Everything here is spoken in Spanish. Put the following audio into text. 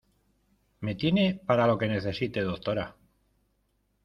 me tiene para lo que necesite, doctora.